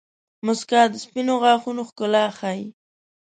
• مسکا د سپینو غاښونو ښکلا ښيي.